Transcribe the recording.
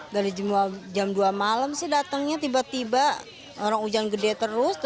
dari jam dua malam sih datangnya tiba tiba orang hujan gede terus